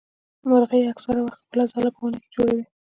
مرغۍ اکثره وخت خپل ځاله په ونه کي جوړوي.